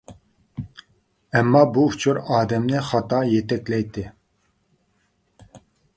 ئەمما، بۇ ئۇچۇر ئادەمنى خاتا يېتەكلەيتتى.